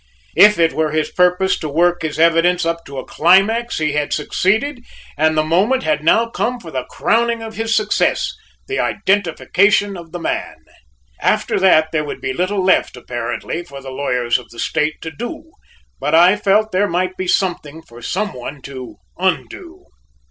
If it were his purpose to work his evidence up to a climax he had succeeded and the moment had now come for the crowning of his success, the identification of the man. After that there would be little left apparently for the lawyers of the State to do; but I felt there might be something for some one to undo.